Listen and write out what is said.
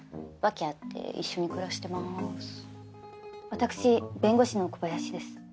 私弁護士の小林です。